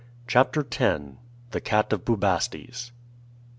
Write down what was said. CHAPTER X. THE CAT OF BUBASTES.